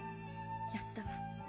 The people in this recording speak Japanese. やったわ。